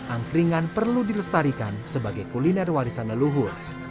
angkringan perlu dilestarikan sebagai kuliner warisan leluhur